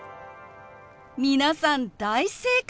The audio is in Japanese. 皆さん大正解！